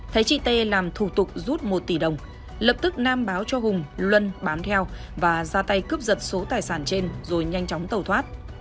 thấy chị tê làm thủ tục rút một tỷ đồng lập tức nam báo cho hùng luân bám theo và ra tay cướp giật số tài sản trên rồi nhanh chóng tẩu thoát